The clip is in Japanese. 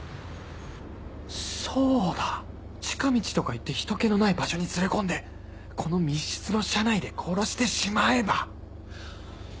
そうだ近道とか言って人けのない場所に連れ込んでこの密室の車内で殺してしまえば